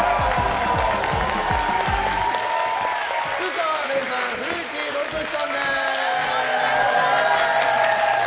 菊川怜さん、古市憲寿さんです！